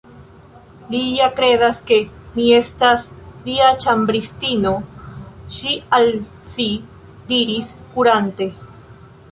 “Li ja kredas ke mi estas lia ĉambristino,” ŝi al si diris, kurante.